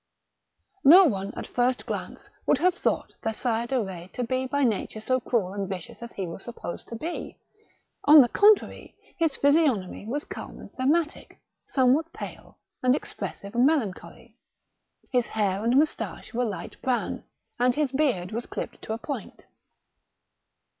No one at a first glance would have thought the Sire de Eetz to be by nature so cruel and vicious as he was supposed to be. On the contrary, his physiognomy was calm and phlegmatic, somewhat pale, and expressive of melancholy. His hair and moustache were light brown, and his beard was clipped to a point.